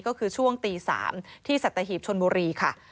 ก็คือช่วงตี๓ที่สัตหีบชนบุรีค่ะ